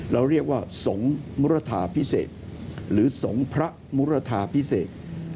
เราเรียกว่าสงฆ์มุรทาพิเศษหรือสงฆ์พระมุรทาพิเศษ